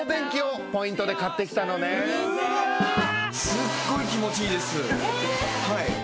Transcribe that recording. すっごい気持ちいいですはい。